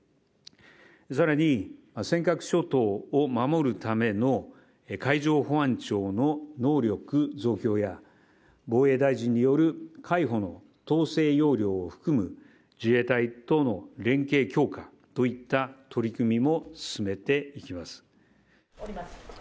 更に、尖閣諸島を守るための海上保安庁の能力増強や防衛大臣による海保の統制容量、自衛隊との連携強化といった取り組みも進めていきます。